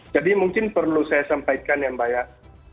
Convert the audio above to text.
jadi mungkin perlu saya sampaikan yang banyak